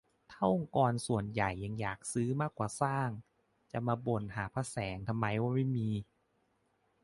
ถ้าองค์กรส่วนใหญ่ยังอยากซื้อมากกว่าสร้าง จะมาบ่นหาพระแสงกันทำไมว่าไม่มี